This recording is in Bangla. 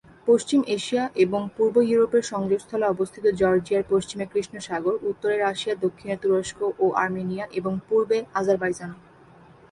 পশ্চিম এশিয়া এবং পূর্ব ইউরোপের সংযোগস্থলে অবস্থিত জর্জিয়ার পশ্চিমে কৃষ্ণ সাগর, উত্তরে রাশিয়া, দক্ষিণে তুরস্ক ও আর্মেনিয়া, এবং পূর্বে আজারবাইজান।